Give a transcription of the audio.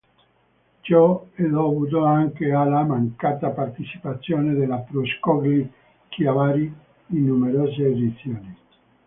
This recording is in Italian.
Ciò è dovuto anche alla mancata partecipazione della Pro Scogli Chiavari in numerose edizioni.